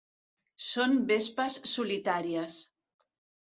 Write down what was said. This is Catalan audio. Són vespes solitàries.